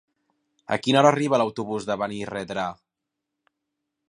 A quina hora arriba l'autobús de Benirredrà?